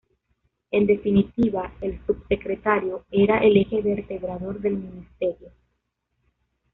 En definitiva, el subsecretario era el eje vertebrador del ministerio.